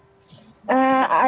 ada pak maaf ini